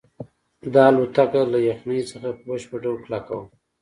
دا الوتکه له یخنۍ څخه په بشپړ ډول کلکه وه